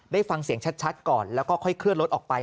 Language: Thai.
ได้ฟังเสียงชัดก่อนแล้วก็ค่อยเคลื่อนรถออกไป